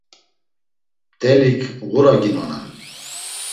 Mtelik ğuraginonan.